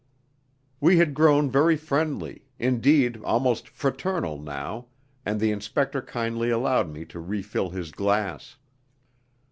We had grown very friendly, indeed, almost fraternal now, and the inspector kindly allowed me to refill his glass.